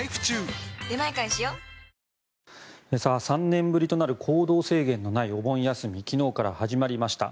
３年ぶりとなる行動制限のないお盆休み昨日から始まりました。